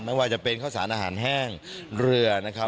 ไม่ว่าจะเป็นข้าวสารอาหารแห้งเรือนะครับ